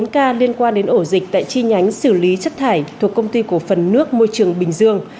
bốn ca liên quan đến ổ dịch tại chi nhánh xử lý chất thải thuộc công ty cổ phần nước môi trường bình dương